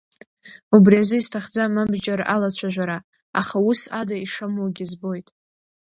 Убри азы исҭахӡам абџьар алацәажәара, аха ус ада ишамуагьы збоит.